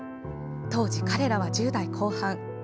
当時、彼らは１０代後半。